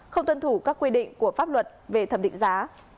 không tuân thủ các quy định của pháp luật về thẩm định giá